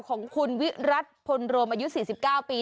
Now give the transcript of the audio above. ของคุณวิรัติพลโรมอายุ๔๙ปี